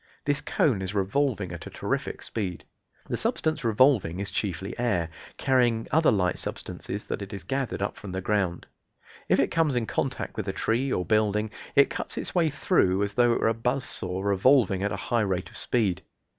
This cone is revolving at a terrific speed. The substance revolving is chiefly air, carrying other light substances that it has gathered up from the ground. If it comes in contact with a tree or building it cuts its way through as though it were a buzzsaw revolving at a high rate of speed.